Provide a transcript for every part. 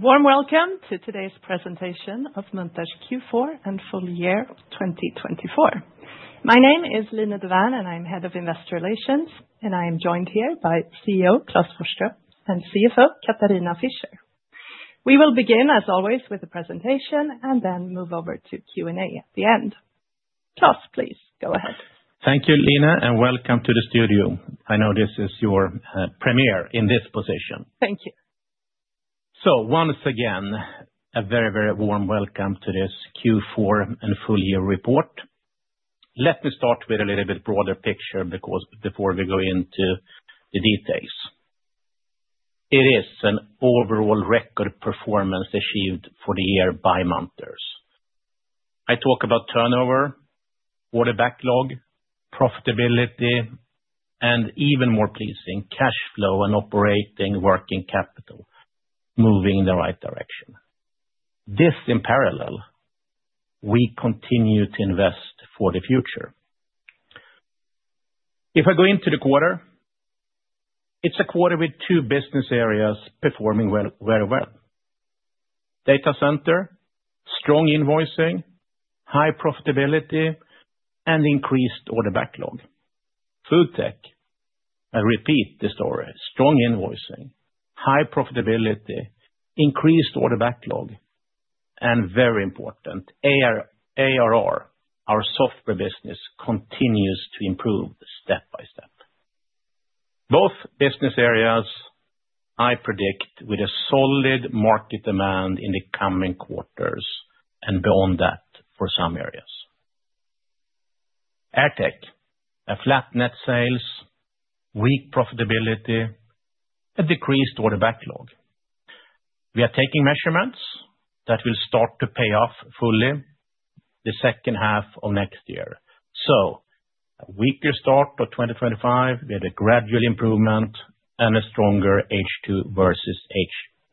Warm welcome to today's presentation of Munters Q4 and Full Year 2024. My name is Line Dovärn, and I'm Head of Investor Relations, and I am joined here by CEO Klas Forsström and CFO Katharina Fischer. We will begin, as always, with the presentation and then move over to Q&A at the end. Klas, please go ahead. Thank you, Line, and welcome to the studio. I know this is your premiere in this position. Thank you. So once again, a very, very warm welcome to this Q4 and full year report. Let me start with a little bit broader picture because before we go into the details, it is an overall record performance achieved for the year by Munters. I talk about turnover, order backlog, profitability, and even more pleasing, cash flow and operating working capital moving in the right direction. This in parallel, we continue to invest for the future. If I go into the quarter, it's a quarter with two business areas performing very well: center, strong invoicing, high profitability, and increased order backlog. FoodTech, I repeat the story, strong invoicing, high profitability, increased order backlog, and very important ARR, our software business continues to improve step by step. Both business areas, I predict with a solid market demand in the coming quarters and beyond that for some areas. AirTech, a flat net sales, weak profitability, a decreased order backlog. We are taking measures that will start to pay off fully in the second half of next year, so a weaker start of 2025 with a gradual improvement and a stronger H2 versus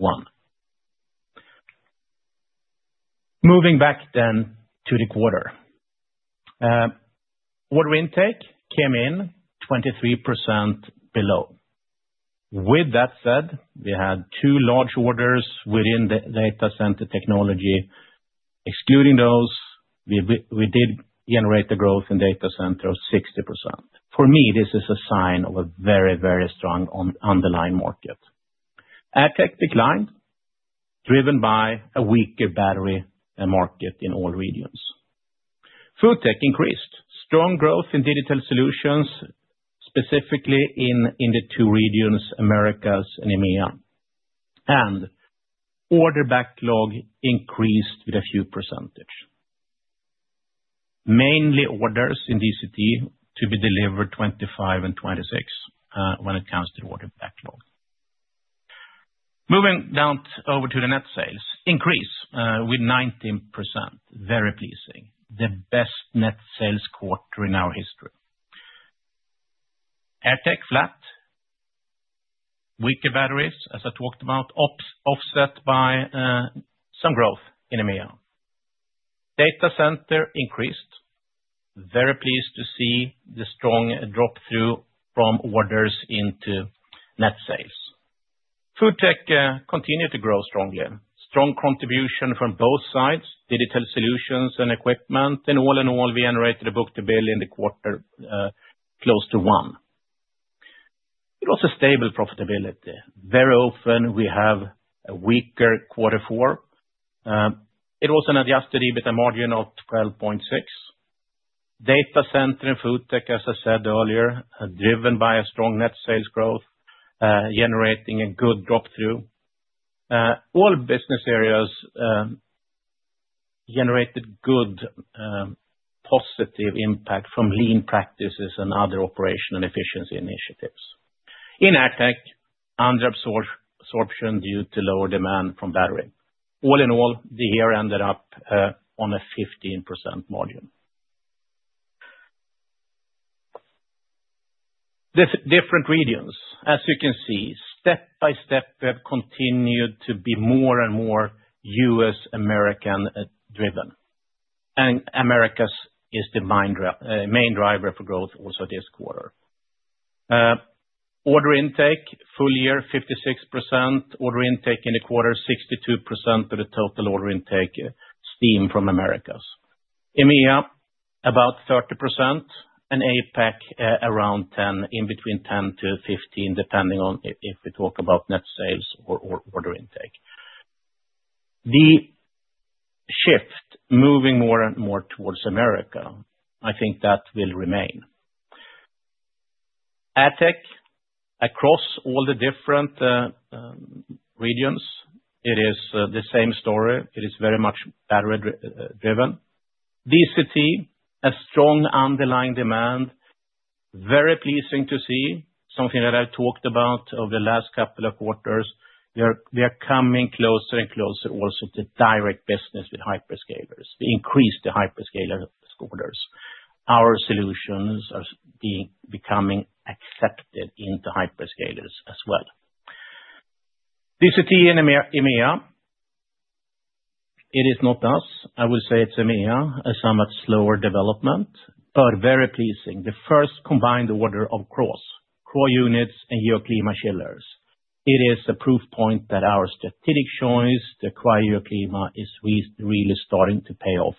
H1. Moving back then to the quarter, order intake came in 23% below. With that said, we had two large orders within Data Center Technologies. Excluding those, we did generate the growth in Data Center of 60%. For me, this is a sign of a very, very strong underlying market. AirTech declined driven by a weaker battery market in all regions. FoodTech increased, strong growth in digital solutions, specifically in the two regions, Americas and EMEA, and order backlog increased with a few percentage. Mainly orders in DCT to be delivered 2025 and 2026 when it comes to the order backlog. Moving down over to the net sales increase with 19%, very pleasing, the best net sales quarter in our history. AirTech flat, weaker batteries, as I talked about, offset by some growth in EMEA. Data Center increased, very pleased to see the strong drop through from orders into net sales. FoodTech continued to grow strongly, strong contribution from both sides, digital solutions and equipment, and all in all, we generated a book-to-bill in the quarter close to one. It was a stable profitability. Very often we have a weaker quarter four. It was an Adjusted EBITDA margin of 12.6%. Data Center and FoodTech, as I said earlier, driven by a strong net sales growth, generating a good drop through. All business areas generated good positive impact from lean practices and other operational efficiency initiatives. In AirTech, under absorption due to lower demand from battery. All in all, the year ended up on a 15% margin. The different regions, as you can see, step by step, we have continued to be more and more U.S. American driven, and Americas is the main driver for growth also this quarter. Order intake full year 56%, order intake in the quarter 62% of the total order intake stems from Americas. EMEA about 30% and APAC around 10%, in between 10%-15%, depending on if we talk about net sales or order intake. The shift moving more and more towards Americas, I think that will remain. AirTech, across all the different regions, it is the same story. It is very much battery driven. DCT, a strong underlying demand, very pleasing to see, something that I talked about over the last couple of quarters. We are coming closer and closer also to direct business with hyperscalers. We increased the hyperscalers' orders. Our solutions are becoming accepted into hyperscalers as well. DCT and EMEA, it is not us. I will say it's EMEA as somewhat slower development, but very pleasing. The first combined order of CRAH, CRAH units and Geoclima chillers. It is a proof point that our strategic choice, the CRAH Geoclima, is really starting to pay off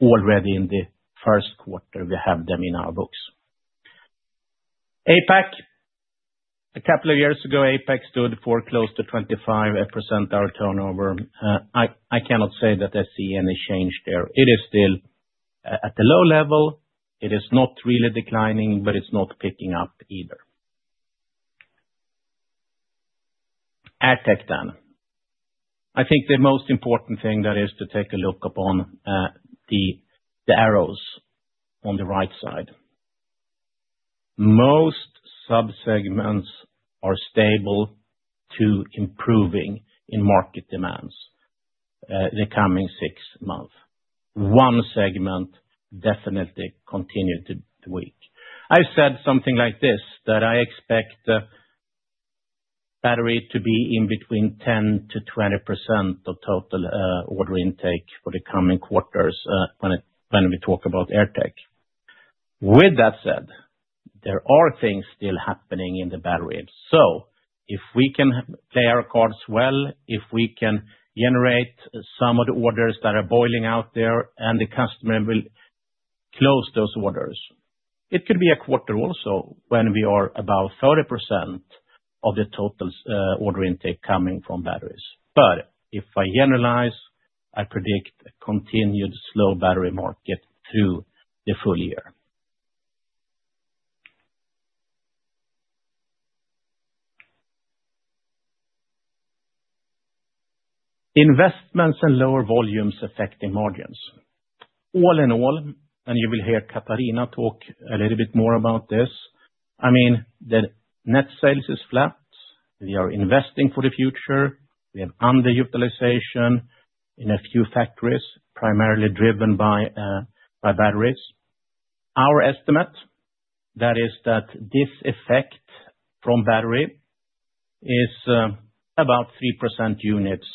already in the first quarter. We have them in our books. APAC, a couple of years ago, APAC stood for close to 25% of our turnover. I cannot say that I see any change there. It is still at the low level. It is not really declining, but it's not picking up either. AirTech then, I think the most important thing that is to take a look upon the arrows on the right side. Most subsegments are stable to improving in market demands the coming six months. One segment definitely continued to weak. I said something like this, that I expect battery to be in between 10%-20% of total order intake for the coming quarters when we talk about AirTech. With that said, there are things still happening in the battery. So if we can play our cards well, if we can generate some of the orders that are boiling out there and the customer will close those orders, it could be a quarter also when we are about 30% of the total order intake coming from batteries. But if I generalize, I predict continued slow battery market through the full year. Investments and lower volumes affecting margins. All in all, and you will hear Katharina talk a little bit more about this. I mean, the net sales is flat. We are investing for the future. We have underutilization in a few factories, primarily driven by batteries. Our estimate is that this effect from battery is about 3% units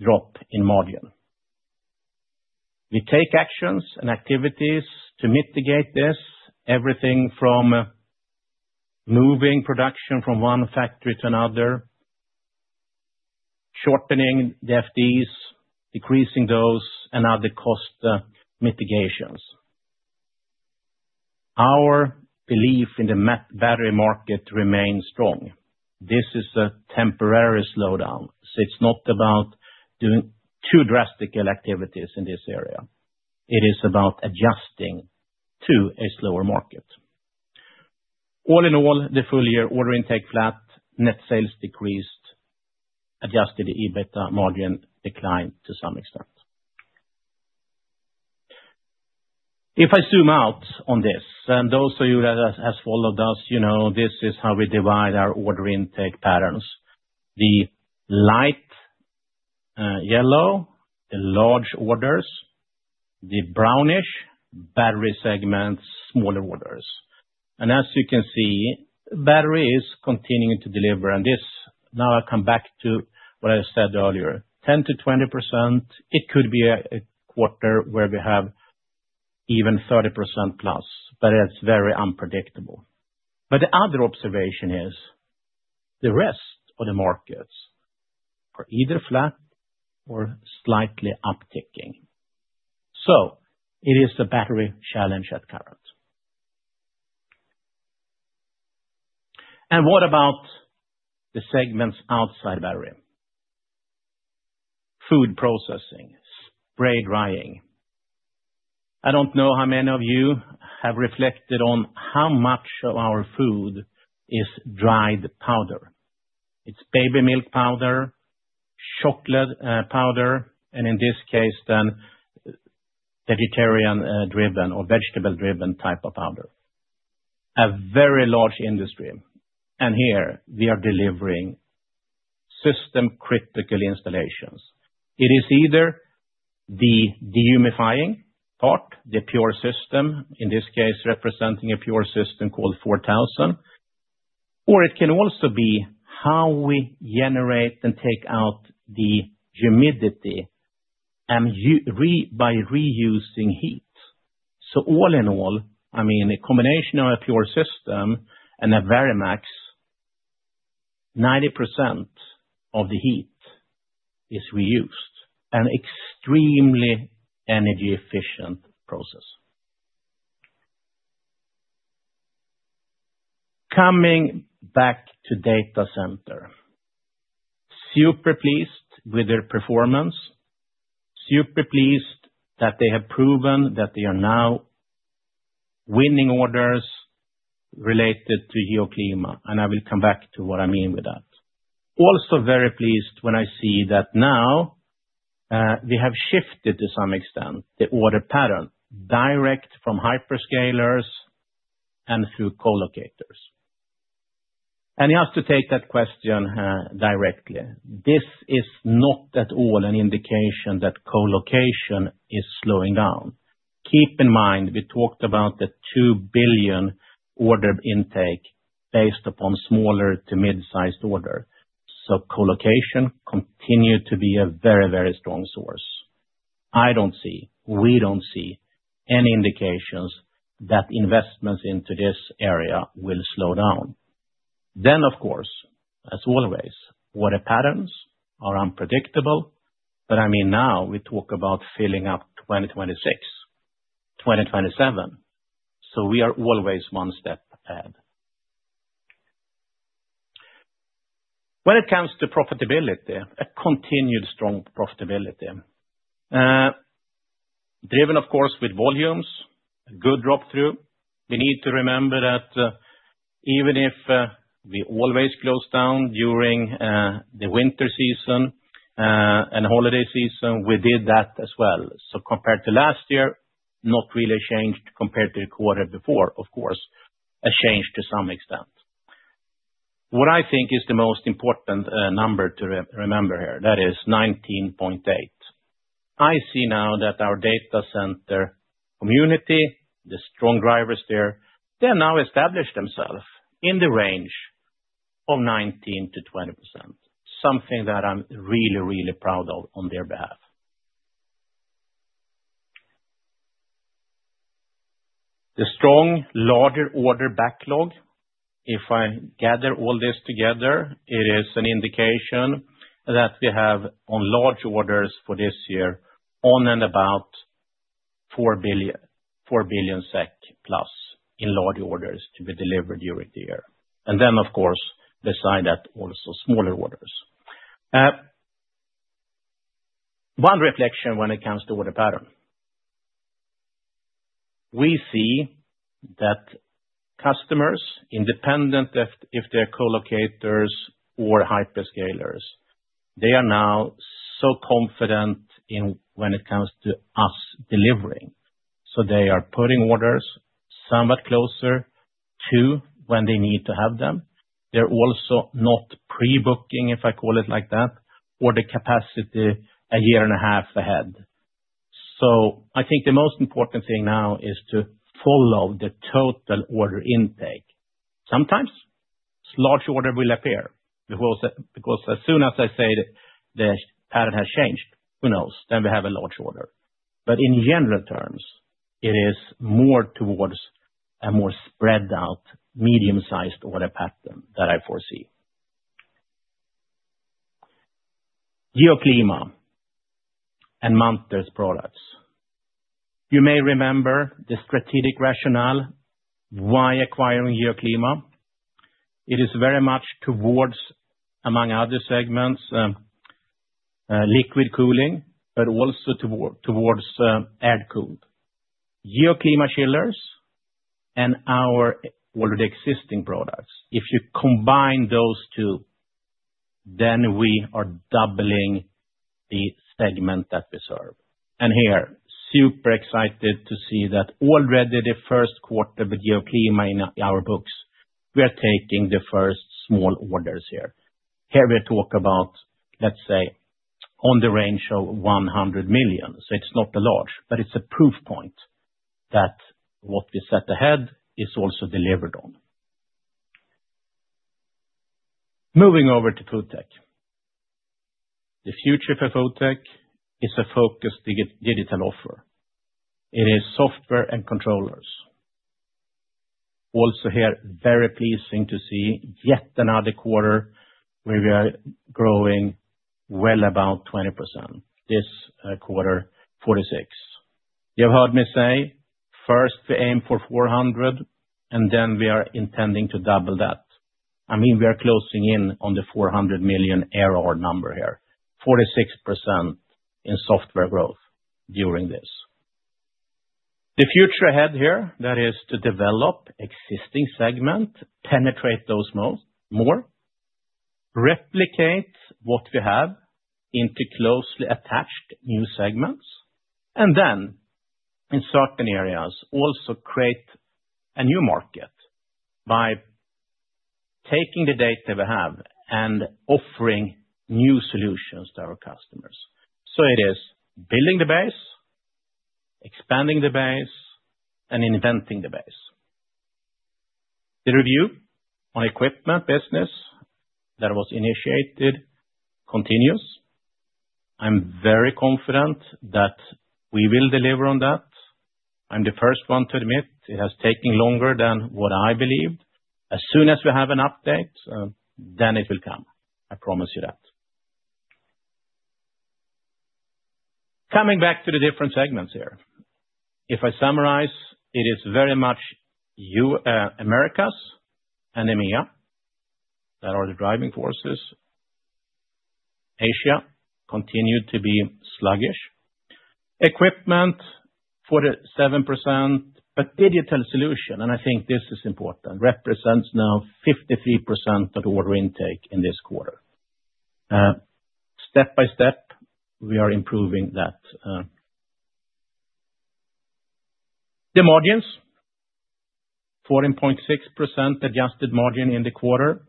drop in margin. We take actions and activities to mitigate this, everything from moving production from one factory to another, shortening the FDs, decreasing those, and other cost mitigations. Our belief in the battery market remains strong. This is a temporary slowdown. So it's not about doing too drastic activities in this area. It is about adjusting to a slower market. All in all, the full year order intake flat, net sales decreased, adjusted EBITDA margin declined to some extent. If I zoom out on this, and those of you that have followed us, you know this is how we divide our order intake patterns. The light yellow, the large orders, the brownish battery segments, smaller orders. As you can see, battery is continuing to deliver. This now I come back to what I said earlier, 10%-20%. It could be a quarter where we have even 30% plus, but it's very unpredictable. The other observation is the rest of the markets are either flat or slightly upticking. It is a battery challenge at current. What about the segments outside battery? Food processing, spray drying. I don't know how many of you have reflected on how much of our food is dried powder. It's baby milk powder, chocolate powder, and in this case then vegetarian driven or vegetable driven type of powder. A very large industry. Here we are delivering system critical installations. It is either the dehumidifying part, the pure system, in this case representing a pure system called 4000, or it can also be how we generate and take out the humidity by reusing heat. So all in all, I mean a combination of a pure system and a VeriMax, 90% of the heat is reused. An extremely energy efficient process. Coming back to Data Center, super pleased with their performance, super pleased that they have proven that they are now winning orders related to Geoclima, and I will come back to what I mean with that. Also very pleased when I see that now we have shifted to some extent the order pattern direct from hyperscalers and through co-locators, and you have to take that question directly. This is not at all an indication that co-location is slowing down. Keep in mind we talked about the 2 billion order intake based upon smaller to mid-sized order, so co-location continued to be a very, very strong source. We don't see any indications that investments into this area will slow down, then of course, as always, order patterns are unpredictable, but I mean now we talk about filling up 2026, 2027, so we are always one step ahead. When it comes to profitability, a continued strong profitability, driven of course with volumes, good drop through. We need to remember that even if we always close down during the winter season and holiday season, we did that as well, so compared to last year, not really changed compared to the quarter before, of course, a change to some extent. What I think is the most important number to remember here, that is 19.8. I see now that our Data Center community, the strong drivers there, they're now established themselves in the range of 19%-20%, something that I'm really, really proud of on their behalf. The strong larger order backlog, if I gather all this together, it is an indication that we have on large orders for this year on and about 4 billion SEK plus in large orders to be delivered during the year. Then of course, besides that, also smaller orders. One reflection when it comes to order pattern. We see that customers, independent if they're co-locators or hyperscalers, they are now so confident in when it comes to us delivering. They are putting orders somewhat closer to when they need to have them. They're also not pre-booking, if I call it like that, order capacity a year and a half ahead. I think the most important thing now is to follow the total order intake. Sometimes large order will appear, because as soon as I say the pattern has changed, who knows, then we have a large order. But in general terms, it is more towards a more spread out medium-sized order pattern that I foresee. Geoclima and Munters products. You may remember the strategic rationale why acquiring Geoclima. It is very much towards, among other segments, liquid cooling, but also towards air-cooled. Geoclima chillers and our already existing products, if you combine those two, then we are doubling the segment that we serve. And here, super excited to see that already the first quarter with Geoclima in our books, we are taking the first small orders here. Here we talk about, let's say, in the range of 100 million. It's not a large, but it's a proof point that what we set out is also delivered on. Moving over to FoodTech. The future for FoodTech is a focused digital offer. It is software and controllers. Also here, very pleasing to see yet another quarter where we are growing well above 20%. This quarter, 46%. You've heard me say, first we aim for 400, and then we are intending to double that. I mean, we are closing in on the 400 million ARR number here, 46% in software growth during this. The future ahead here, that is to develop existing segment, penetrate those more, replicate what we have into closely adjacent new segments, and then in certain areas also create a new market by taking the data we have and offering new solutions to our customers. So it is building the base, expanding the base, and inventing the base. The review on equipment business that was initiated continues. I'm very confident that we will deliver on that. I'm the first one to admit it has taken longer than what I believed. As soon as we have an update, then it will come. I promise you that. Coming back to the different segments here, if I summarize, it is very much Americas and EMEA that are the driving forces. Asia continued to be sluggish. Equipment, 47%, but digital solution, and I think this is important, represents now 53% of order intake in this quarter. Step by step, we are improving that. The margins, 14.6% adjusted margin in the quarter.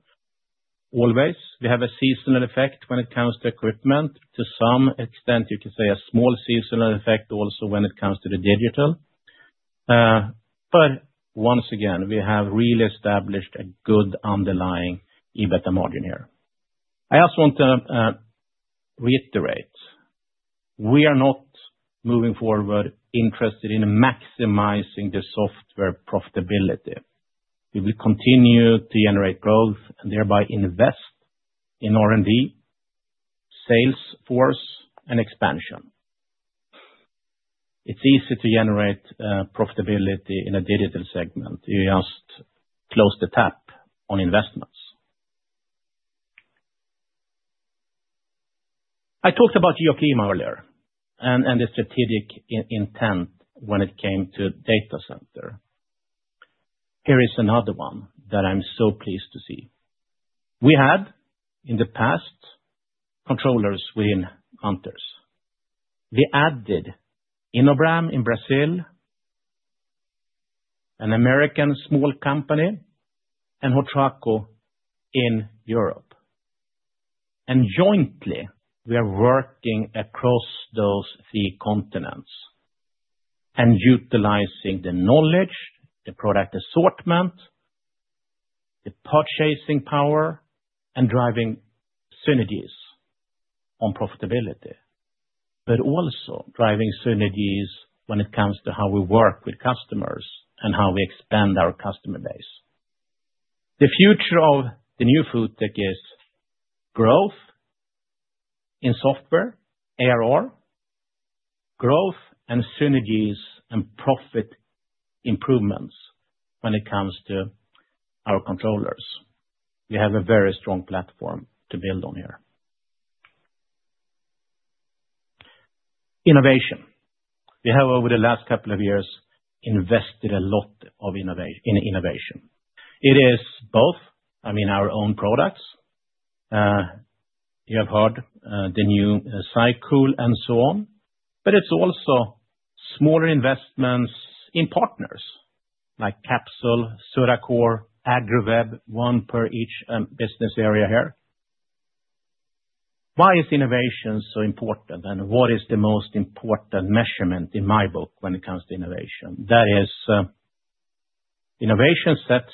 Always, we have a seasonal effect when it comes to equipment. To some extent, you can say a small seasonal effect also when it comes to the digital. But once again, we have really established a good underlying EBITDA margin here. I also want to reiterate, we are not moving forward interested in maximizing the software profitability. We will continue to generate growth and thereby invest in R&D, sales force, and expansion. It's easy to generate profitability in a digital segment. You just close the tap on investments. I talked about Geoclima earlier and the strategic intent when it came to Data Center. Here is another one that I'm so pleased to see. We had in the past controllers within Munters. We added InoBram in Brazil, an American small company, and Hotraco in Europe. And jointly, we are working across those three continents and utilizing the knowledge, the product assortment, the purchasing power, and driving synergies on profitability, but also driving synergies when it comes to how we work with customers and how we expand our customer base. The future of the new FoodTech is growth in software, ARR, growth and synergies and profit improvements when it comes to our controllers. We have a very strong platform to build on here. Innovation. We have over the last couple of years invested a lot in innovation. It is both, I mean, our own products. You have heard the new SyCool and so on, but it's also smaller investments in partners like Kapsul, ZutaCore, AgriWebb, one per each business area here. Why is innovation so important and what is the most important measurement in my book when it comes to innovation? That is, innovation sets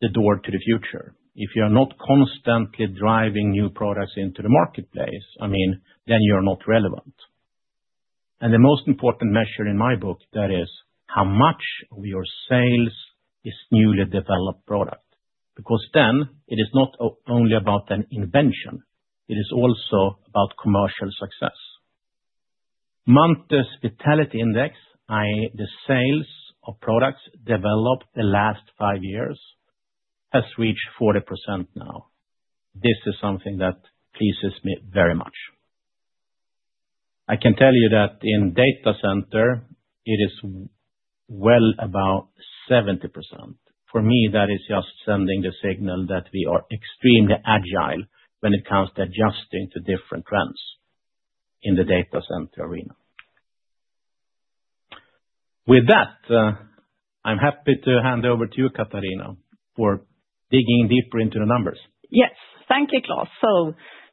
the door to the future. If you are not constantly driving new products into the marketplace, I mean, then you are not relevant. The most important measure in my book that is how much of your sales is newly developed product, because then it is not only about an invention. It is also about commercial success. Munters Vitality Index, i.e., the sales of products developed the last five years has reached 40% now. This is something that pleases me very much. I can tell you that in Data Center, it is well above 70%. For me, that is just sending the signal that we are extremely agile when it comes to adjusting to different trends in the Data Center arena. With that, I'm happy to hand over to you, Katharina, for digging deeper into the numbers. Yes, thank you, Klas.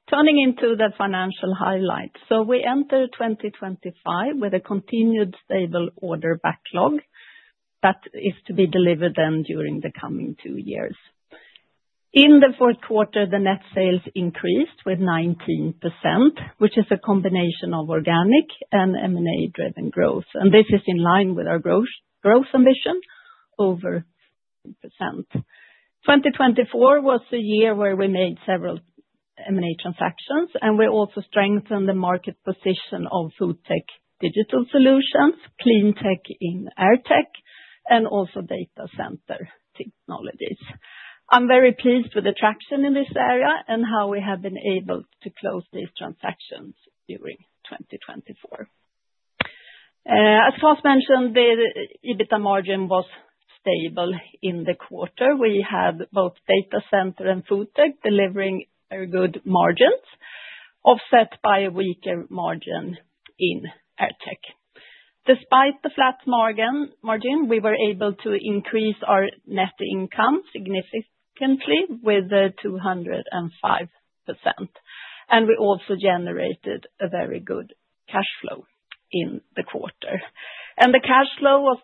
Turning to the financial highlights. We enter 2025 with a continued stable order backlog that is to be delivered then during the coming two years. In the fourth quarter, the net sales increased with 19%, which is a combination of organic and M&A-driven growth, and this is in line with our growth ambition over 2024. 2024 was a year where we made several M&A transactions, and we also strengthened the market position of FoodTech digital solutions, Clean Technologies in AirTech, and also Data Center Technologies. I'm very pleased with the traction in this area and how we have been able to close these transactions during 2024. As Klas mentioned, the EBITDA margin was stable in the quarter. We had both Data Center Technologies and FoodTech delivering very good margins, offset by a weaker margin in AirTech. Despite the flat margin, we were able to increase our net income significantly with 205%. And we also generated a very good cash flow in the quarter. And the cash flow was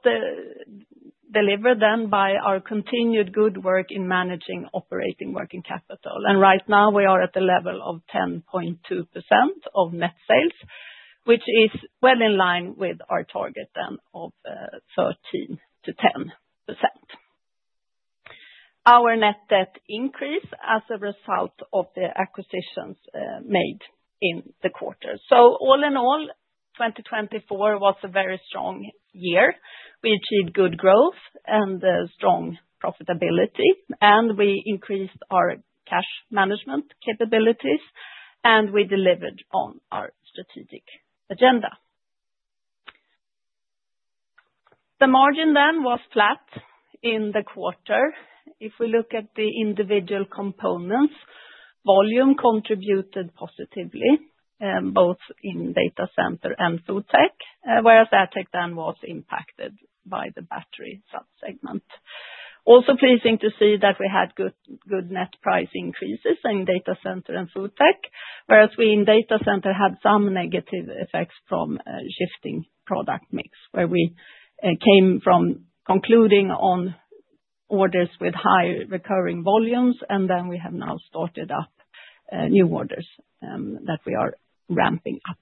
delivered then by our continued good work in managing operating working capital. And right now we are at the level of 10.2% of net sales, which is well in line with our target then of 13%-10%. Our net debt increased as a result of the acquisitions made in the quarter. So all in all, 2024 was a very strong year. We achieved good growth and strong profitability, and we increased our cash management capabilities, and we delivered on our strategic agenda. The margin then was flat in the quarter. If we look at the individual components, volume contributed positively both in Data Center and FoodTech, whereas AirTech then was impacted by the battery subsegment. Also pleasing to see that we had good net price increases in Data Center and FoodTech, whereas we in Data Center had some negative effects from shifting product mix, where we came from concluding on orders with high recurring volumes, and then we have now started up new orders that we are ramping up.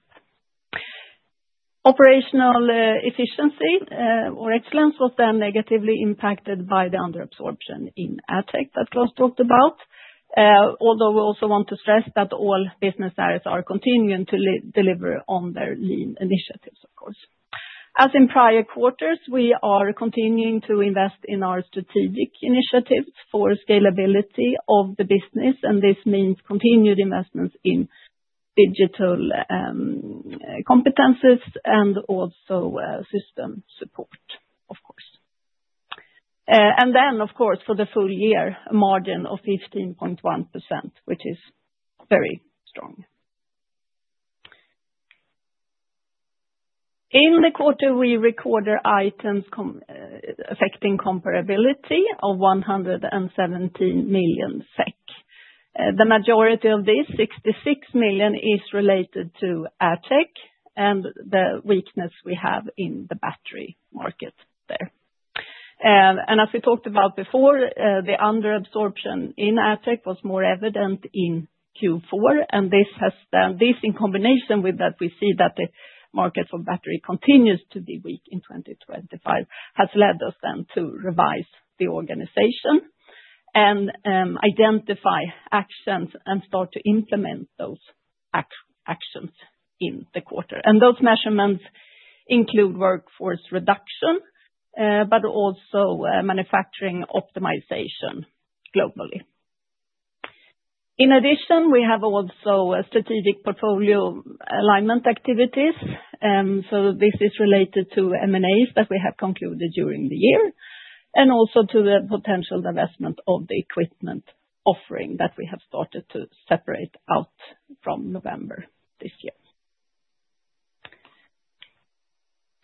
Operational efficiency or excellence was then negatively impacted by the underabsorption in AirTech that Klas talked about, although we also want to stress that all business areas are continuing to deliver on their lean initiatives, of course. As in prior quarters, we are continuing to invest in our strategic initiatives for scalability of the business, and this means continued investments in digital competencies and also system support, of course, and then, of course, for the full year, margin of 15.1%, which is very strong. In the quarter, we recorded items affecting comparability of 117 million SEK. The majority of this, 66 million, is related to air tech and the weakness we have in the battery market there. And as we talked about before, the underabsorption in air tech was more evident in Q4, and this has then, this in combination with that, we see that the market for battery continues to be weak in 2025, has led us then to revise the organization and identify actions and start to implement those actions in the quarter. And those measurements include workforce reduction, but also manufacturing optimization globally. In addition, we have also strategic portfolio alignment activities. So this is related to M&A;As that we have concluded during the year and also to the potential divestment of the equipment offering that we have started to separate out from November this year.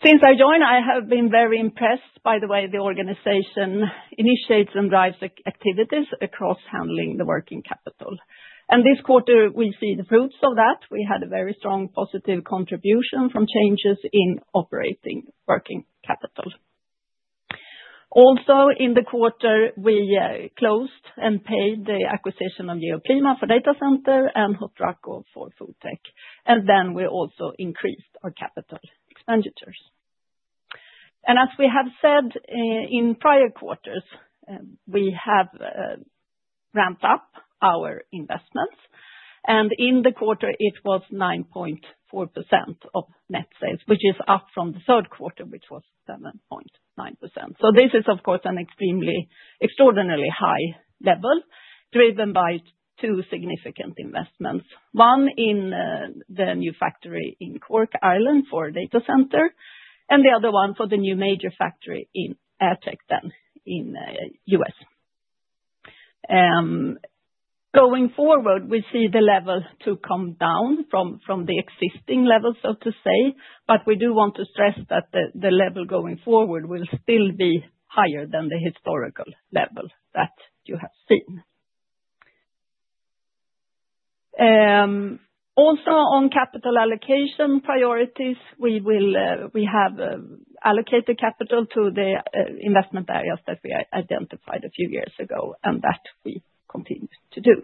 Since I joined, I have been very impressed, by the way, the organization initiates and drives activities across handling the working capital, and this quarter we see the fruits of that. We had a very strong positive contribution from changes in operating working capital. Also, in the quarter, we closed and paid the acquisition of Geoclima for Data Center and Hotraco for FoodTech, and then we also increased our capital expenditures, and as we have said in prior quarters, we have ramped up our investments, and in the quarter, it was 9.4% of net sales, which is up from the third quarter, which was 7.9%, so this is, of course, an extremely extraordinarily high level driven by two significant investments. One in the new factory in Cork, Ireland, for Data Center, and the other one for the new major factory in AirTech then in the U.S. Going forward, we see the level to come down from the existing level, so to say, but we do want to stress that the level going forward will still be higher than the historical level that you have seen. Also, on capital allocation priorities, we have allocated capital to the investment areas that we identified a few years ago and that we continue to do.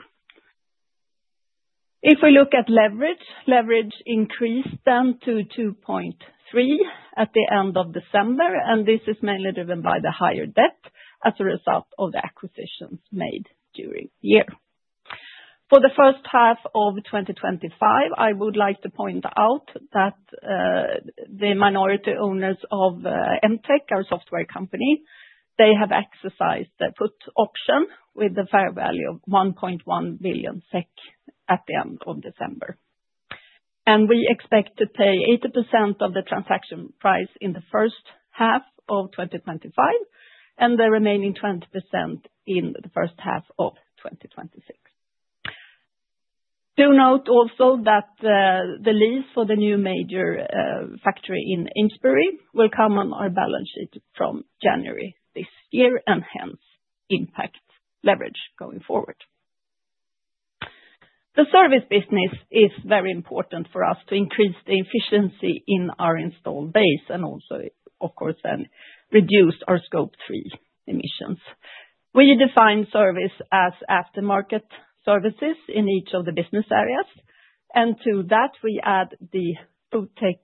If we look at leverage, leverage increased then to 2.3 at the end of December, and this is mainly driven by the higher debt as a result of the acquisitions made during the year. For the first half of 2025, I would like to point out that the minority owners of MTech, our software company, they have exercised their put option with the fair value of 1.1 billion SEK at the end of December. We expect to pay 80% of the transaction price in the first half of 2025 and the remaining 20% in the first half of 2026. Do note also that the lease for the new major factory in Amesbury will come on our balance sheet from January this year and hence impact leverage going forward. The service business is very important for us to increase the efficiency in our installed base and also, of course, then reduce our Scope 3 emissions. We define service as aftermarket services in each of the business areas, and to that we add the FoodTech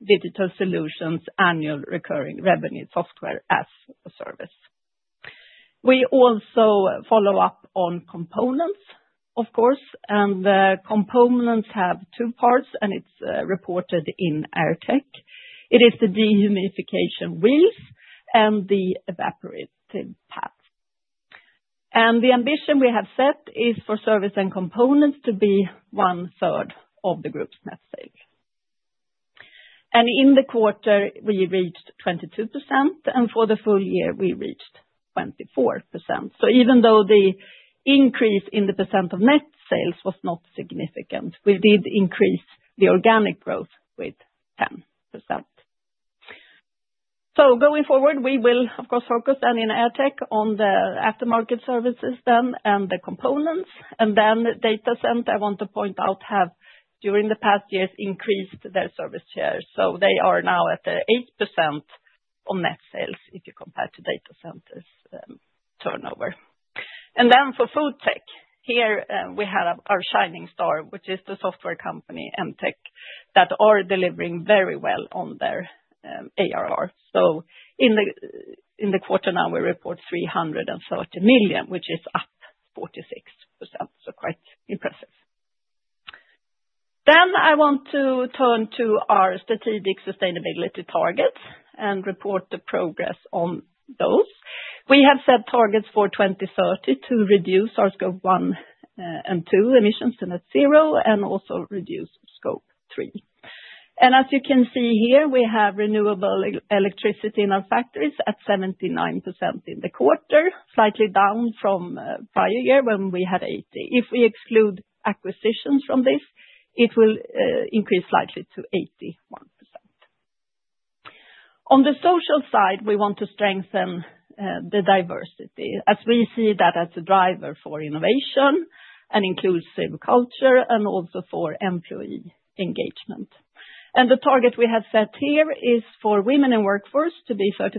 digital solutions annual recurring revenue software as a service. We also follow up on components, of course, and the components have two parts and it's reported in air tech. It is the dehumidification wheels and the evaporative pads. And the ambition we have set is for service and components to be one third of the group's net sales. And in the quarter, we reached 22%, and for the full year, we reached 24%. So even though the increase in the percent of net sales was not significant, we did increase the organic growth with 10%. So going forward, we will, of course, focus then in AirTech on the aftermarket services then and the components. And then Data Center, I want to point out, have during the past years increased their service shares. So they are now at 8% on net sales if you compare to Data Centers turnover. And then for FoodTech, here we have our shining star, which is the software company MTech that are delivering very well on their ARR. In the quarter now, we report 330 million, which is up 46%, so quite impressive. Then I want to turn to our strategic sustainability targets and report the progress on those. We have set targets for 2030 to reduce our Scope 1 and 2 emissions to net zero and also reduce Scope 3. And as you can see here, we have renewable electricity in our factories at 79% in the quarter, slightly down from prior year when we had 80%. If we exclude acquisitions from this, it will increase slightly to 81%. On the social side, we want to strengthen the diversity as we see that as a driver for innovation and inclusive culture and also for employee engagement. And the target we have set here is for women in workforce to be 30%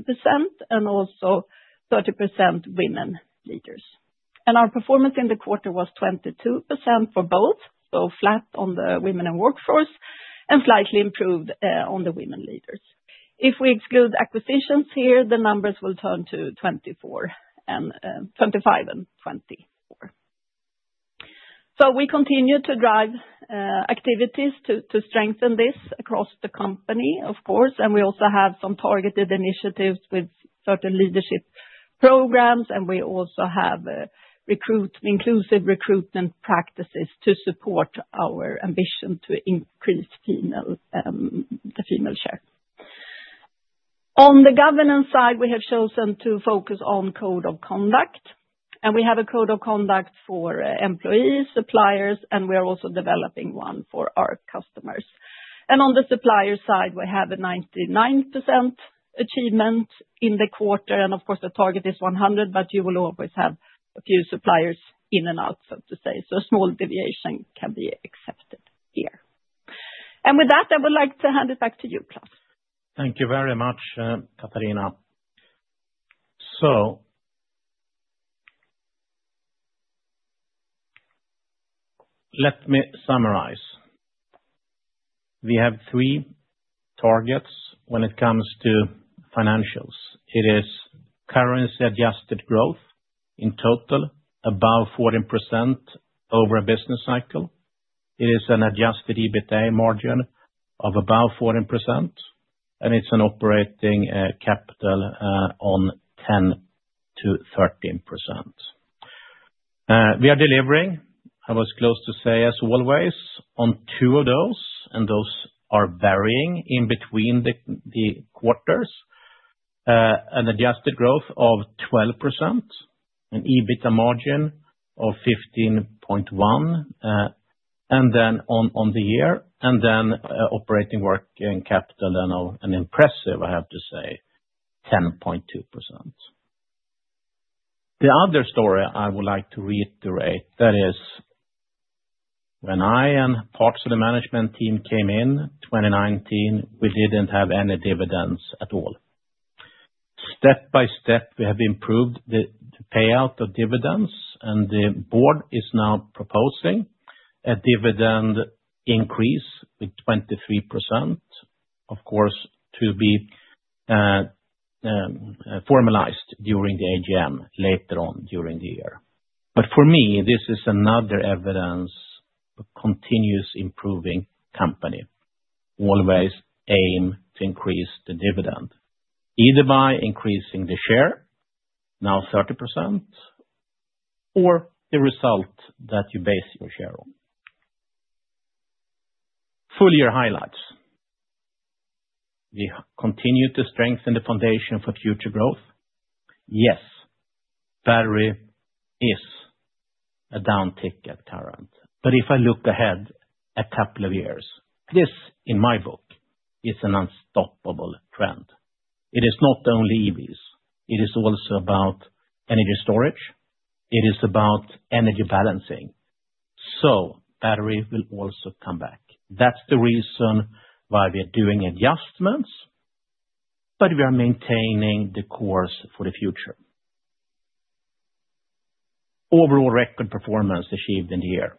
and also 30% women leaders. Our performance in the quarter was 22% for both, so flat on the women in workforce and slightly improved on the women leaders. If we exclude acquisitions here, the numbers will turn to 24% and 25% and 24%. We continue to drive activities to strengthen this across the company, of course, and we also have some targeted initiatives with certain leadership programs, and we also have inclusive recruitment practices to support our ambition to increase the female share. On the governance side, we have chosen to focus on Code of Conduct, and we have a Code of Conduct for employees, suppliers, and we are also developing one for our customers. On the supplier side, we have a 99% achievement in the quarter, and of course, the target is 100%, but you will always have a few suppliers in and out, so to say, so a small deviation can be accepted here. With that, I would like to hand it back to you, Klas. Thank you very much, Katharina. Let me summarize. We have three targets when it comes to financials. It is organic adjusted growth in total above 14% over a business cycle. It is an adjusted EBITDA margin above 14%, and it is operating working capital at 10%-13%. We are delivering, I was close to say, as always, on two of those, and those are varying in between the quarters, an adjusted growth of 12%, an EBITDA margin of 15.1%, and then on the year, and then operating working capital and an impressive, I have to say, 10.2%. The other story I would like to reiterate that is when I and parts of the management team came in 2019, we didn't have any dividends at all. Step by step, we have improved the payout of dividends, and the board is now proposing a dividend increase with 23%, of course, to be formalized during the AGM later on during the year. But for me, this is another evidence of a continuous improving company. Always aim to increase the dividend, either by increasing the share, now 30%, or the result that you base your share on. Full year highlights. We continue to strengthen the foundation for future growth. Yes, battery is a downtick currently. But if I look ahead a couple of years, this in my book is an unstoppable trend. It is not only EVs. It is also about energy storage. It is about energy balancing. So battery will also come back. That's the reason why we are doing adjustments, but we are maintaining the course for the future. Overall record performance achieved in the year.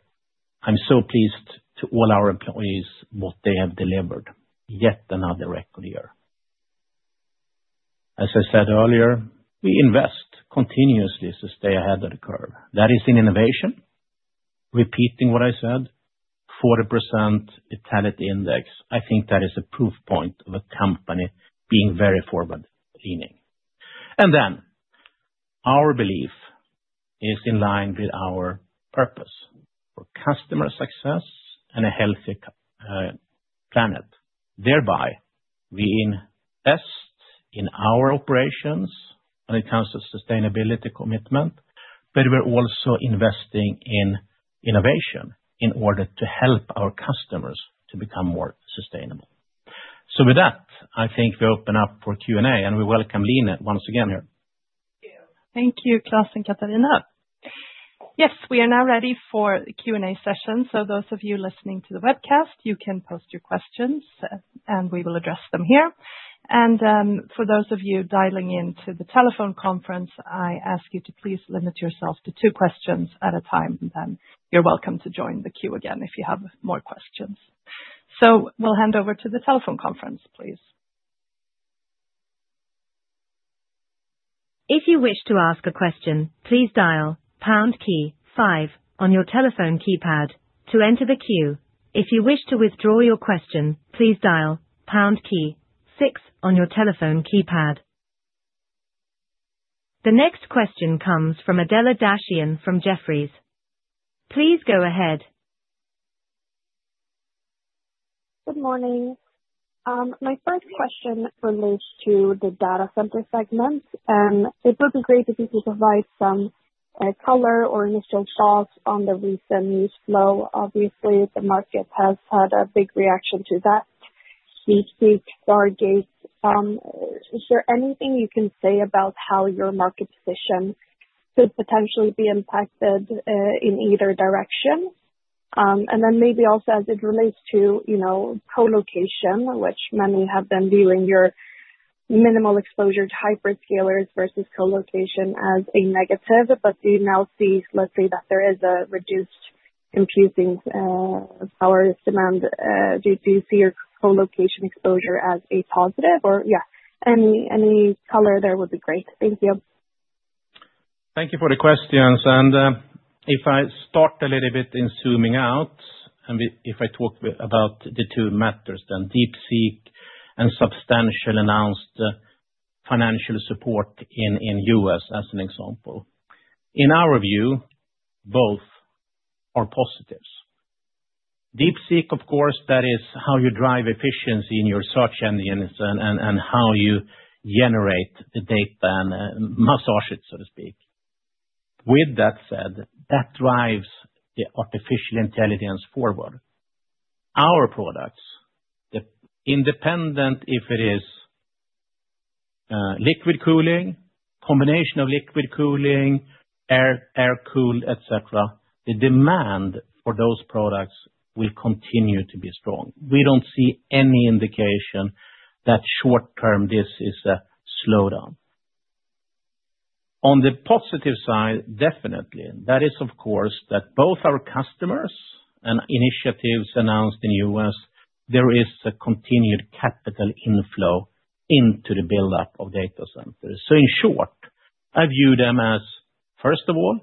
I'm so pleased to all our employees what they have delivered. Yet another record year. As I said earlier, we invest continuously to stay ahead of the curve. That is in innovation. Repeating what I said, 40% Vitality Index, I think that is a proof point of a company being very forward-leaning, and then our belief is in line with our purpose for customer success and a healthy planet. Thereby, we invest in our operations when it comes to sustainability commitment, but we're also investing in innovation in order to help our customers to become more sustainable. So with that, I think we open up for Q&A, and we welcome Line once again here. Thank you, Klas and Katharina. Yes, we are now ready for the Q&A session. So those of you listening to the webcast, you can post your questions, and we will address them here. And for those of you dialing into the telephone conference, I ask you to please limit yourself to two questions at a time, and then you're welcome to join the queue again if you have more questions. So we'll hand over to the telephone conference, please. If you wish to ask a question, please dial pound key five on your telephone keypad to enter the queue. If you wish to withdraw your question, please dial pound key six on your telephone keypad. The next question comes from Adela Dashian from Jefferies. Please go ahead. Good morning. My first question relates to the Data Center segment, and it would be great if you could provide some color or initial thoughts on the recent news flow. Obviously, the market has had a big reaction to that super Stargate. Is there anything you can say about how your market position could potentially be impacted in either direction? And then maybe also as it relates to co-location, which many have been viewing your minimal exposure to hyperscalers versus co-location as a negative, but do you now see, let's say, that there is a reduced, confusing power demand? Do you see your co-location exposure as a positive? Or yeah, any color there would be great. Thank you. Thank you for the questions. If I start a little bit in zooming out, and if I talk about the two matters, then DeepSeek and Stargate announced financial support in the U.S. as an example. In our view, both are positives. DeepSeek, of course, that is how you drive efficiency in your search engines and how you generate the data and massage it, so to speak. With that said, that drives the artificial intelligence forward. Our products, independent if it is liquid cooling, combination of liquid cooling, air-cooled, etc., the demand for those products will continue to be strong. We don't see any indication that short-term this is a slowdown. On the positive side, definitely, that is, of course, that both our customers and initiatives announced in the U.S., there is a continued capital inflow into the buildup of Data Centers. So, in short, I view them as, first of all,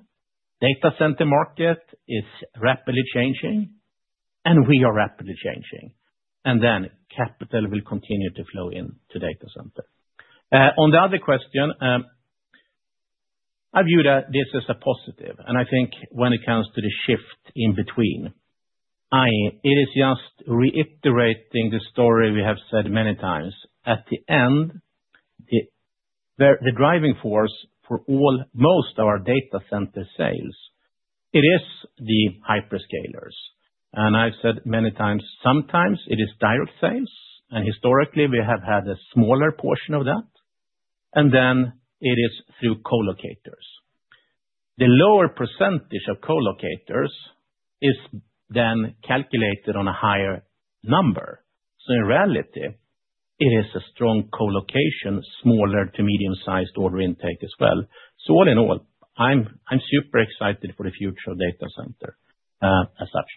Data Center market is rapidly changing, and we are rapidly changing, and then capital will continue to flow into Data Center. On the other question, I view that this is a positive, and I think when it comes to the shift in between, it is just reiterating the story we have said many times. At the end, the driving force for most of our Data Center sales, it is the hyperscalers. And I've said many times, sometimes it is direct sales, and historically, we have had a smaller portion of that, and then it is through co-locators. The lower percentage of co-locators is then calculated on a higher number. So in reality, it is a strong co-location, smaller to medium-sized order intake as well. So all in all, I'm super excited for the future of Data Center as such.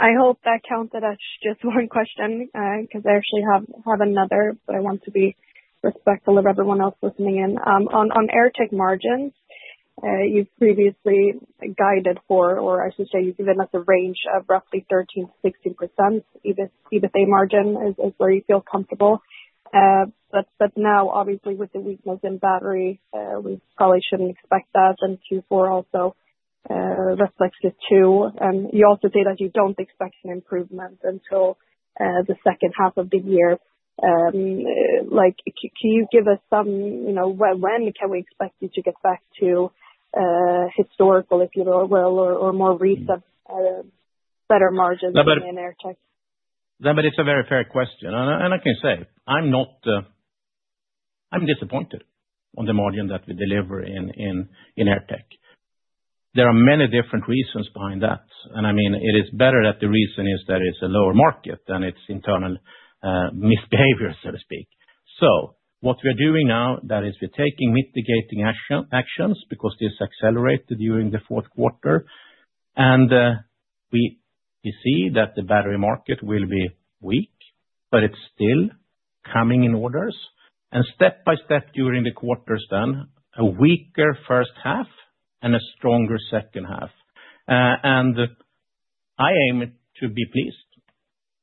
I hope that counted as just one question because I actually have another, but I want to be respectful of everyone else listening in. On AirTech margins, you've previously guided for, or I should say you've given us a range of roughly 13%-16% EBITDA margin is where you feel comfortable. But now, obviously, with the weakness in battery, we probably shouldn't expect that, and Q4 also reflects it too. And you also say that you don't expect an improvement until the second half of the year. Can you give us some when can we expect you to get back to historical, if you will, or more recent better margins in AirTech? But it's a very fair question. And I can say I'm disappointed on the margin that we deliver in AirTech. There are many different reasons behind that. I mean, it is better that the reason is that it's a lower market than its internal misbehavior, so to speak. So what we're doing now, that is we're taking mitigating actions because this accelerated during the fourth quarter, and we see that the battery market will be weak, but it's still coming in orders. And step by step during the quarters then, a weaker first half and a stronger second half. And I aim to be pleased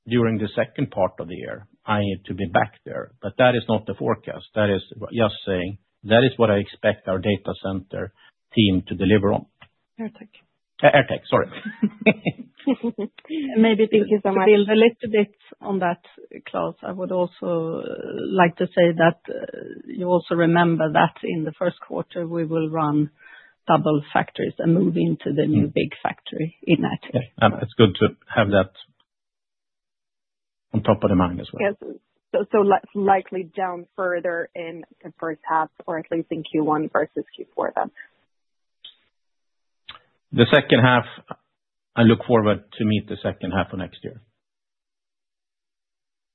during the second part of the year. I need to be back there, but that is not the forecast. That is just saying that is what I expect our Data Center team to deliver on. AirTech. AirTech, sorry. Maybe thank you so much. Build a little bit on that, Klas. I would also like to say that you also remember that in the first quarter, we will run double factories and move into the new big factory in that. It's good to have that top of mind as well. So likely down further in the first half, or at least in Q1 versus Q4 then. The second half, I look forward to meet the second half of next year.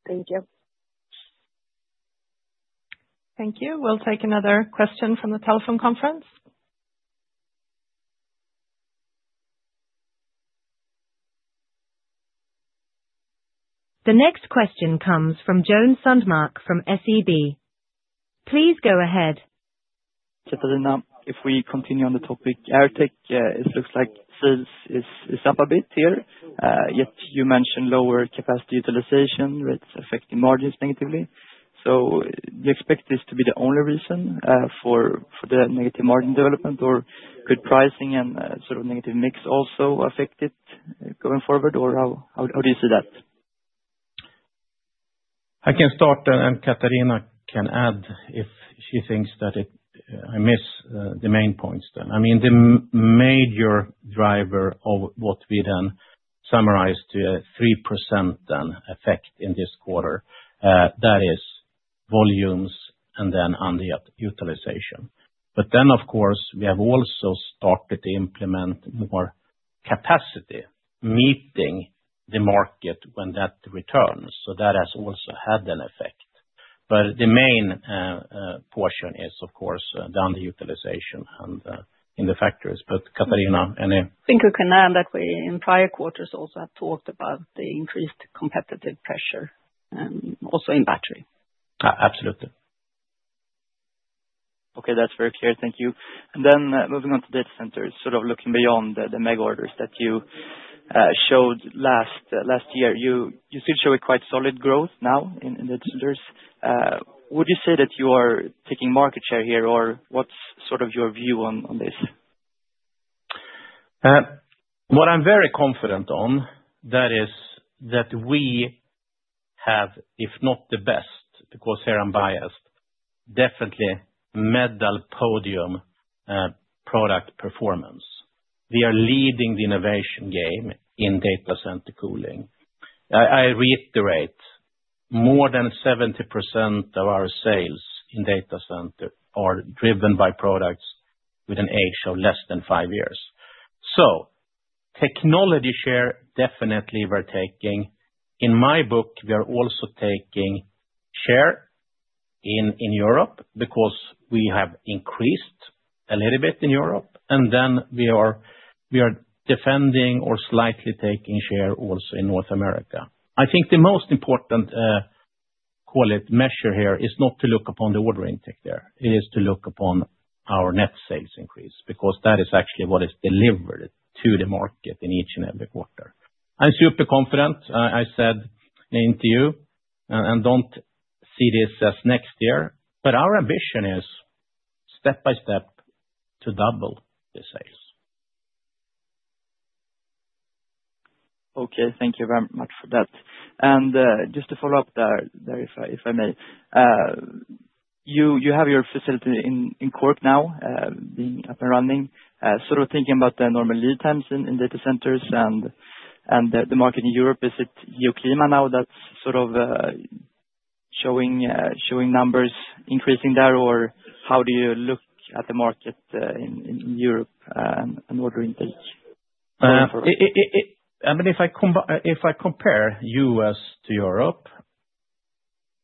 Thank you. Thank you. We'll take another question from the telephone conference. The next question comes from Joen Sundmark from SEB. Please go ahead. Katharina, if we continue on the topic, AirTech, it looks like sales is up a bit here, yet you mentioned lower capacity utilization rates affecting margins negatively. So do you expect this to be the only reason for the negative margin development, or could pricing and sort of negative mix also affect it going forward, or how do you see that? I can start, and then Katharina can add if she thinks that I missed the main points then. I mean, the major driver of what we then summarized to a 3% effect in this quarter, that is volumes and then underutilization. But then, of course, we have also started to implement more capacity meeting the market when that returns. So that has also had an effect. But the main portion is, of course, the underutilization in the factories. But Katharina, any? I think we can add that we in prior quarters also have talked about the increased competitive pressure, also in battery. Absolutely. Okay, that's very clear. Thank you. And then moving on to Data Centers, sort of looking beyond the meg orders that you showed last year, you did show a quite solid growth now in Data Centers. Would you say that you are taking market share here, or what's sort of your view on this? What I'm very confident on, that is that we have, if not the best, because here I'm biased, definitely medal podium product performance. We are leading the innovation game in Data Center cooling. I reiterate, more than 70% of our sales in Data Center are driven by products with an age of less than five years. So technology share definitely we're taking. In my book, we are also taking share in Europe because we have increased a little bit in Europe, and then we are defending or slightly taking share also in North America. I think the most important measure here is not to look upon the order intake there. It is to look upon our net sales increase because that is actually what is delivered to the market in each and every quarter. I'm super confident, I said in the interview, and don't see this as next year, but our ambition is step by step to double the sales. Okay, thank you very much for that. And just to follow up there, if I may, you have your facility in Cork now being up and running. Sort of thinking about the normal lead times in Data Centers and the market in Europe, is it Geoclima now that's sort of showing numbers increasing there, or how do you look at the market in Europe and order intake? I mean, if I compare U.S. to Europe,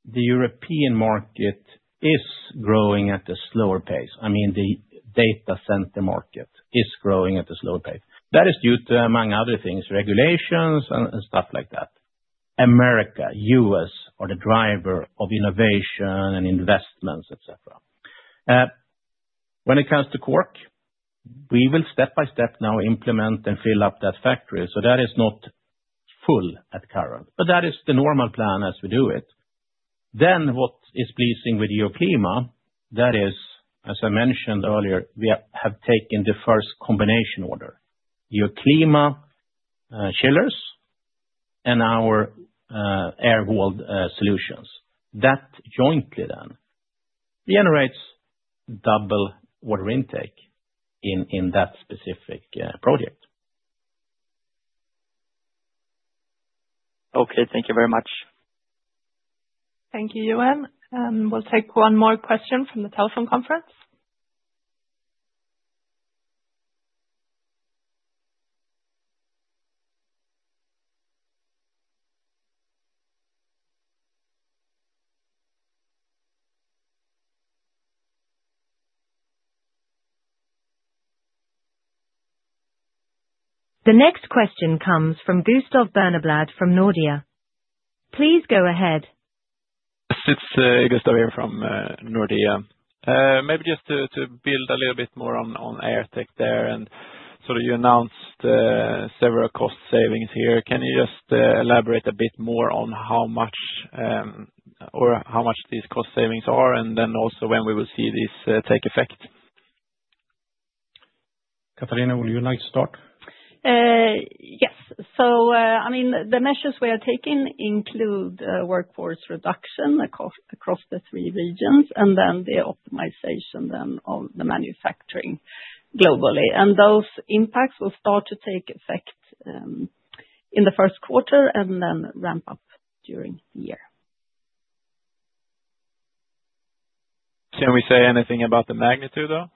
the European market is growing at a slower pace. I mean, the Data Center market is growing at a slower pace. That is due to many other things, regulations and stuff like that. America, U.S. are the driver of innovation and investments, etc. When it comes to Cork, we will step by step now implement and fill up that factory. So that is not full at current, but that is the normal plan as we do it. Then what is pleasing with Geoclima, that is, as I mentioned earlier, we have taken the first combination order, Geoclima chillers and our air-cooled solutions. That jointly then generates double order intake in that specific project. Okay, thank you very much. Thank you, Joen. And we'll take one more question from the telephone conference. The next question comes from Gustav Berneblad from Nordea. Please go ahead. Yes, it's Gustav here from Nordea. Maybe just to build a little bit more on air tech there. And so you announced several cost savings here. Can you just elaborate a bit more on how much these cost savings are and then also when we will see this take effect? Katharina, will you like to start? Yes. So I mean, the measures we are taking include workforce reduction across the three regions and then the optimization then of the manufacturing globally. And those impacts will start to take effect in the first quarter and then ramp up during the year. Can we say anything about the magnitude though?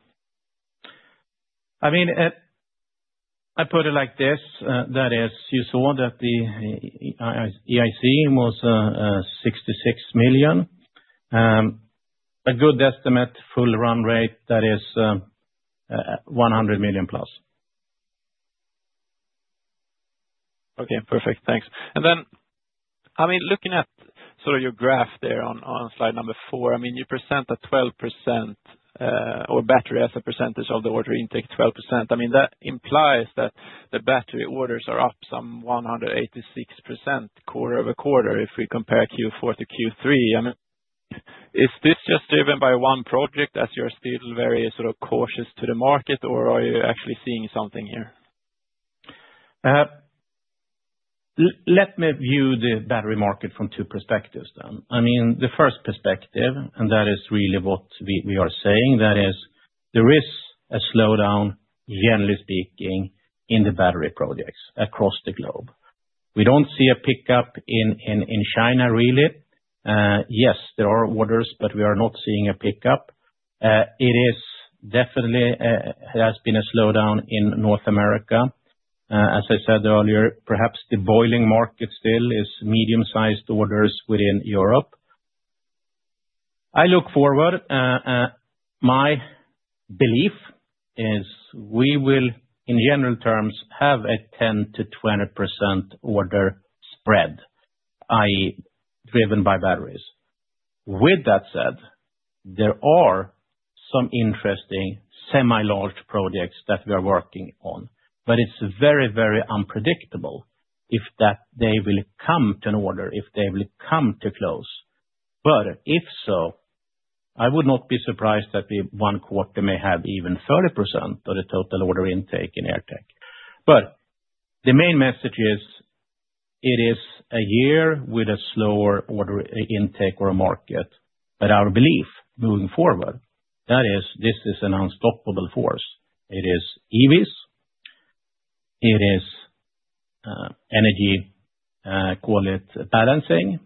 I mean, I put it like this, that is you saw that the EBITA was 66 million. A good estimate, full run rate, that is 100 million plus. Okay, perfect. Thanks. And then I mean, looking at sort of your graph there on slide number four, I mean, you present a 12% of battery as a percentage of the order intake, 12%. I mean, that implies that the battery orders are up some 186% quarter over quarter if we compare Q4-Q3. I mean, is this just driven by one project as you're still very sort of cautious to the market, or are you actually seeing something here? Let me view the battery market from two perspectives then. I mean, the first perspective, and that is really what we are saying, that is there is a slowdown, generally speaking, in the battery projects across the globe. We don't see a pickup in China really. Yes, there are orders, but we are not seeing a pickup. It is definitely has been a slowdown in North America. As I said earlier, perhaps the booming market still is medium-sized orders within Europe. I look forward. My belief is we will, in general terms, have a 10%-20% order spread, i.e., driven by batteries. With that said, there are some interesting semi-large projects that we are working on, but it's very, very unpredictable if they will come to an order, if they will come to close. But if so, I would not be surprised that one quarter may have even 30% of the total order intake in AirTech. But the main message is it is a year with a slower order intake or a market, but our belief moving forward, that is this is an unstoppable force. It is EVs, it is energy quality balancing,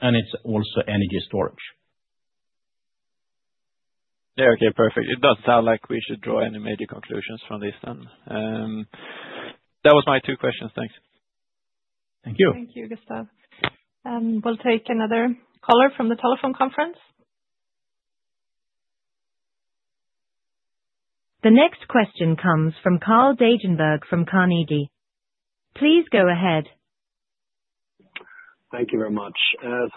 and it's also energy storage. Yeah, okay, perfect. It does sound like we should draw any major conclusions from this then. That was my two questions. Thanks. Thank you. Thank you, Gustav. And we'll take another caller from the telephone conference. The next question comes from Carl Deijenberg from Carnegie. Please go ahead. Thank you very much.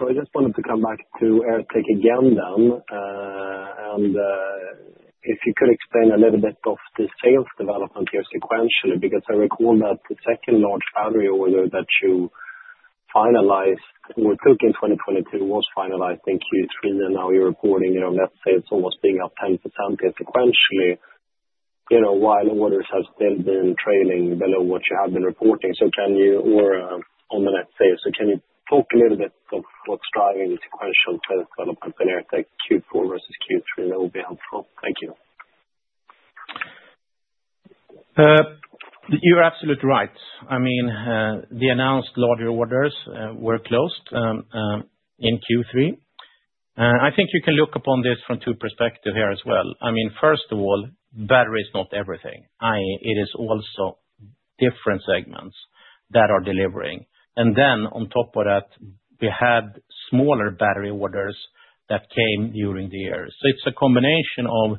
So I just wanted to come back to AirTech again then. And if you could explain a little bit of the sales development here sequentially because I recall that the second large battery order that you finalized or took in 2022 was finalized in Q3, and now you're reporting net sales almost being up 10% here sequentially while orders have still been trailing below what you have been reporting. So can you, or on the net sales, so can you talk a little bit of what's driving the sequential sales development in AirTech Q4 versus Q3? That would be helpful. Thank you. You're absolutely right. I mean, the announced larger orders were closed in Q3. I think you can look upon this from two perspectives here as well. I mean, first of all, battery is not everything. It is also different segments that are delivering. And then on top of that, we had smaller battery orders that came during the year. So it's a combination of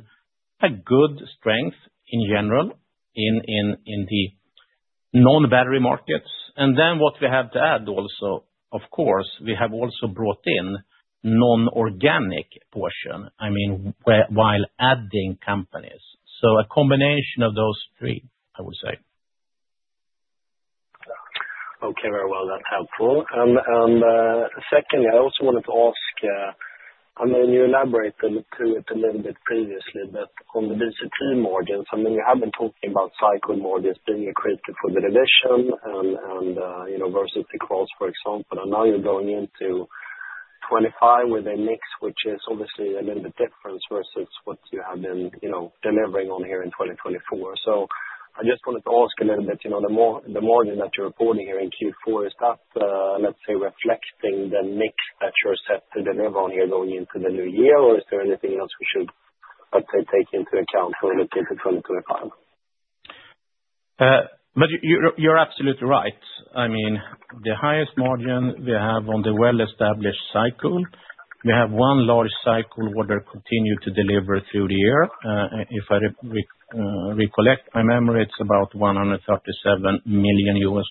a good strength in general in the non-battery markets. And then what we have to add also, of course, we have also brought in non-organic portion, I mean, while adding companies. So a combination of those three, I would say. Okay, very well. That's helpful. And secondly, I also wanted to ask, I mean, you elaborated to it a little bit previously, but on the DCT margins, I mean, you have been talking about SyCool margins being a critical for the revision versus the CRAH, for example. Now you're going into 2025 with a mix, which is obviously a little bit different versus what you have been delivering on here in 2024. So I just wanted to ask a little bit, the margin that you're reporting here in Q4, is that, let's say, reflecting the mix that you're set to deliver on here going into the new year, or is there anything else we should, let's say, take into account when we look into 2025? You're absolutely right. I mean, the highest margin we have on the well-established SyCool. We have one large SyCool order continue to deliver through the year. If I recollect my memory, it's about $137 million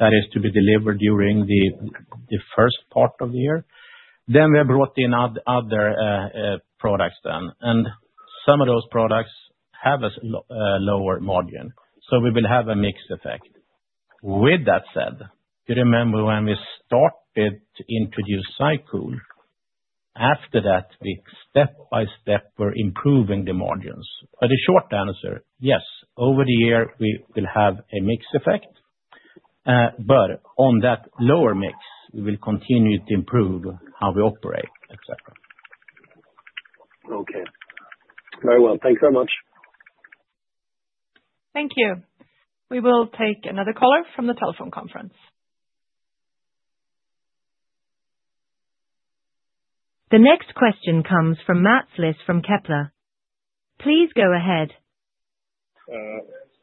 that is to be delivered during the first part of the year. Then we have brought in other products then, and some of those products have a lower margin. So we will have a mixed effect. With that said, you remember when we started to introduce SyCool, after that, we step by step were improving the margins. But the short answer, yes, over the year, we will have a mixed effect. But on that lower mix, we will continue to improve how we operate, etc. Okay. Very well. Thanks very much. Thank you. We will take another caller from the telephone conference. The next question comes from Mats Liss from Kepler. Please go ahead.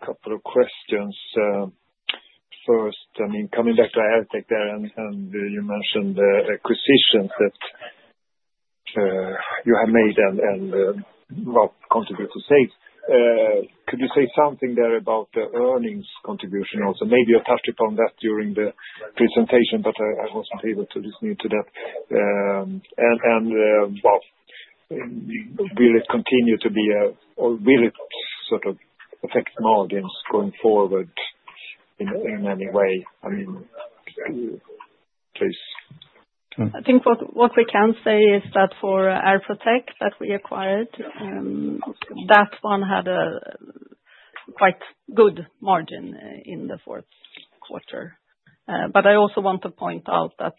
A couple of questions. First, I mean, coming back to AirTech there, and you mentioned acquisitions that you have made and what contribute to sales. Could you say something there about the earnings contribution also? Maybe you touched upon that during the presentation, but I wasn't able to listen into that. Will it continue to be a or will it sort of affect margins going forward in any way? I mean, please. I think what we can say is that for Airprotech that we acquired, that one had a quite good margin in the fourth quarter. But I also want to point out that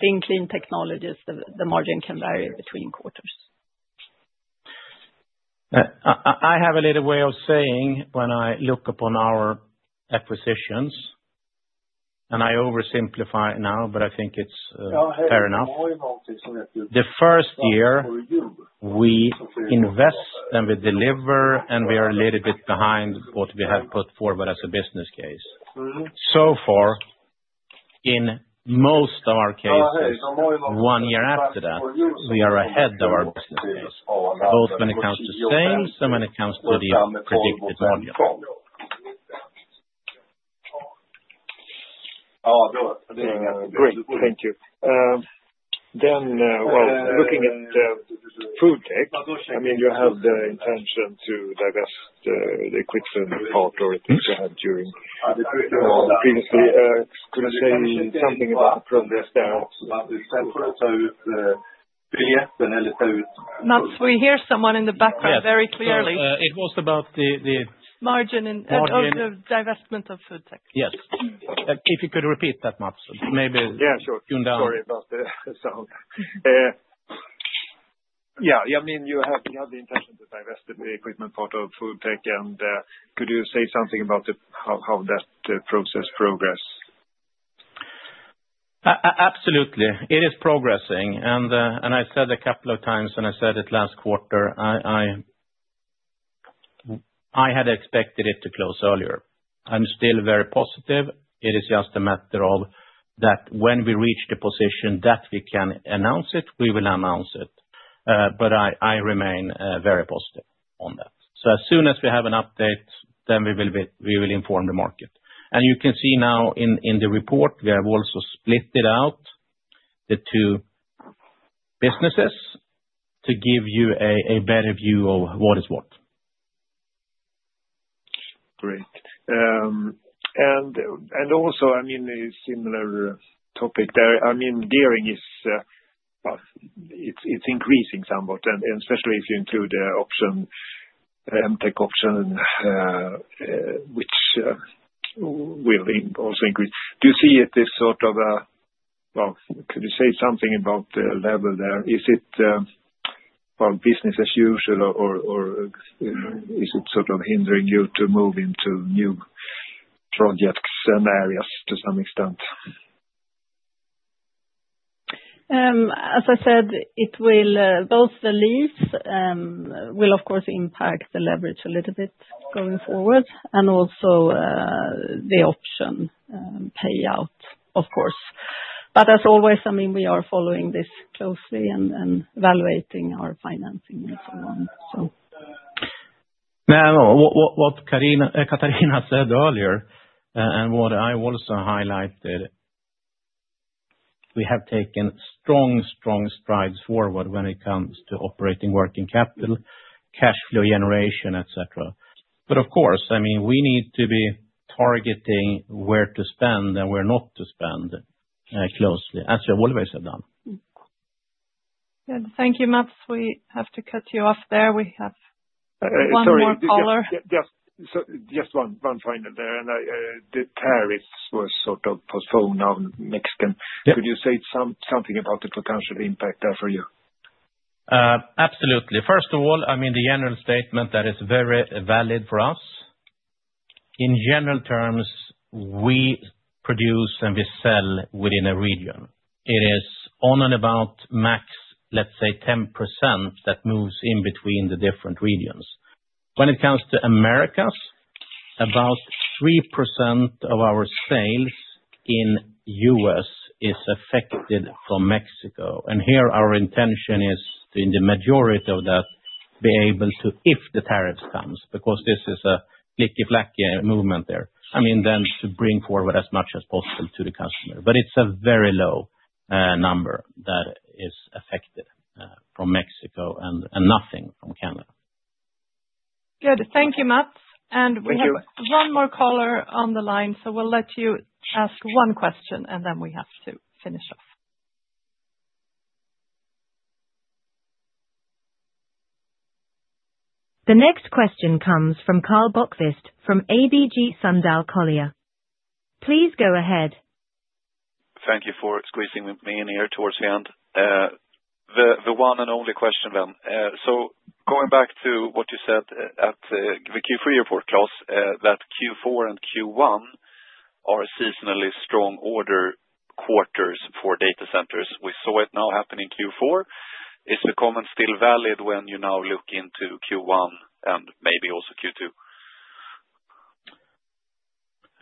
in Clean Technologies, the margin can vary between quarters. I have a little way of saying when I look upon our acquisitions, and I oversimplify now, but I think it's fair enough. The first year, we invest and we deliver, and we are a little bit behind what we have put forward as a business case. So far, in most of our cases, one year after that, we are ahead of our business case, both when it comes to sales and when it comes to the predicted margin. Great. Thank you. Looking at FoodTech, I mean, you have the intention to divest the equipment part or things you had during previously. Could you say something about the progress there? Mats, we hear someone in the background very clearly. It was about the Margin and the divestment of FoodTech. Yes. If you could repeat that, Mats, maybe you can down. Sorry about the sound. Yeah. I mean, you have the intention to divest the equipment part of FoodTech, and could you say something about how that process progressed? Absolutely. It is progressing. And I said a couple of times, and I said it last quarter, I had expected it to close earlier. I'm still very positive. It is just a matter of that when we reach the position that we can announce it, we will announce it. But I remain very positive on that. As soon as we have an update, then we will inform the market. You can see now in the report, we have also split it out, the two businesses, to give you a better view of what is what. Great. Also, I mean, a similar topic there. I mean, gearing is increasing somewhat, and especially if you include the MTech option, which will also increase. Do you see it as sort of, well, could you say something about the level there? Is it business as usual, or is it sort of hindering you to move into new projects and areas to some extent? As I said, both the lease will, of course, impact the leverage a little bit going forward, and also the option payout, of course. But as always, I mean, we are following this closely and evaluating our financing and so on, so. Now, what Katharina said earlier and what I also highlighted, we have taken strong, strong strides forward when it comes to operating working capital, cash flow generation, etc. But of course, I mean, we need to be targeting where to spend and where not to spend closely, as you always have done. Thank you, Mats. We have to cut you off there. We have one more caller. Just one final there. And the tariffs were sort of postponed on Mexico. Could you say something about the potential impact there for you? Absolutely. First of all, I mean, the general statement that is very valid for us. In general terms, we produce and we sell within a region. It is on and about max, let's say, 10% that moves in between the different regions. When it comes to Americas, about 3% of our sales in U.S. is affected from Mexico. Here, our intention is to, in the majority of that, be able to, if the tariffs come, because this is a flicky-flacky movement there, I mean, then to bring forward as much as possible to the customer. But it's a very low number that is affected from Mexico and nothing from Canada. Good. Thank you, Mats. We have one more caller on the line, so we'll let you ask one question, and then we have to finish off. The next question comes from Karl Bokvist from ABG Sundal Collier. Please go ahead. Thank you for squeezing me in here towards the end. The one and only question then. Going back to what you said at the Q3 report, Klas, that Q4 and Q1 are seasonally strong order quarters for Data Centers. We saw it now happen in Q4. Is the comment still valid when you now look into Q1 and maybe also Q2?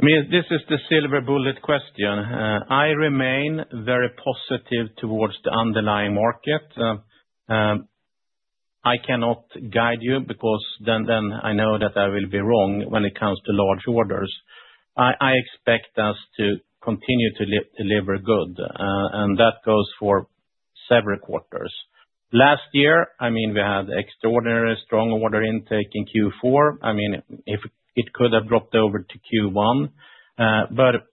I mean, this is the silver bullet question. I remain very positive towards the underlying market. I cannot guide you because then I know that I will be wrong when it comes to large orders. I expect us to continue to deliver good, and that goes for several quarters. Last year, I mean, we had extraordinarily strong order intake in Q4. I mean, it could have dropped over to Q1. But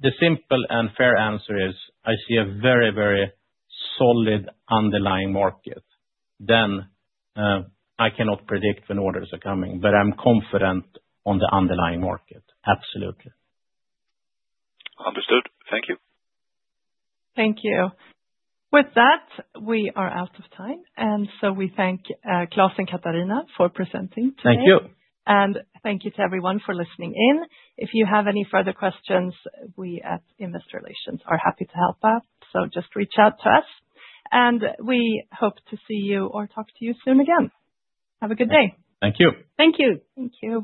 the simple and fair answer is I see a very, very solid underlying market. Then I cannot predict when orders are coming, but I'm confident on the underlying market. Absolutely. Understood. Thank you. Thank you. With that, we are out of time, and so we thank Klas and Katharina for presenting today. Thank you. and thank you to everyone for listening in. If you have any further questions, we at Investor Relations are happy to help out. So just reach out to us. And we hope to see you or talk to you soon again. Have a good day. Thank you. Thank you. Thank you.